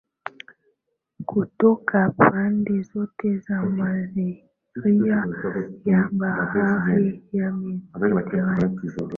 kutoka pande zote za mazingira ya Bahari ya Mediteranea